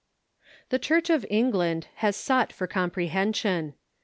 ] The Clun ch of England has sought for comprehension.